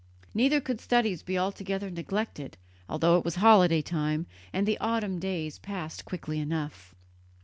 Neither could studies be altogether neglected, although it was holiday time; and the autumn days passed quickly enough.